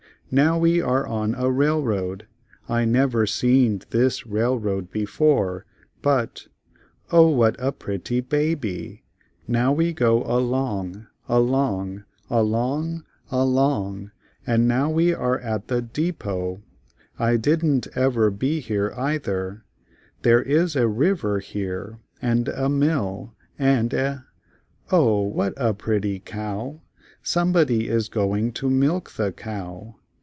Now we are on a rail road, I nev er seened this rail road be fore but—O what a pret ty ba by. Now we go along, along, along, along, and now we are at the de pot. I didn't ev er be here ei ther—there is a riv er here, and a mill and a—O what a pret ty cow—somebody is go ing to milk the cow.